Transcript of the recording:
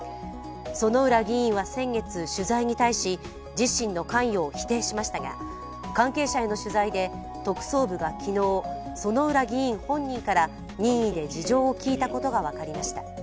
薗浦議員は先月取材に対し自身の関与を否定しましたが関係者への取材で、特捜部が昨日薗浦議員本人から任意で事情を聴いたことが分かりました。